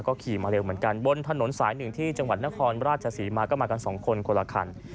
ขี่มาเร็วเหมือนกันบนถนนสายหนึ่งที่จังหวัดนครราชศรีมาก็มากันสองคนคนละคัน